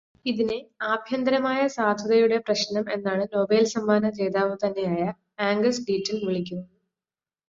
ഇതിനെ “ആഭ്യന്തരമായ സാധുത”യുടെ പ്രശ്നം എന്നാണ് നൊബേൽ സമ്മാന ജേതാവുതന്നെയായ ആംഗസ് ഡീറ്റൻ വിളിക്കുന്നത്.